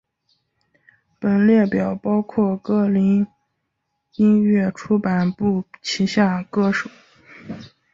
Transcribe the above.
本列表包括歌林音乐出版部旗下歌手。